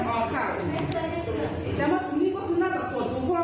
ไม่ได้มาไม่ได้มานาฬิกา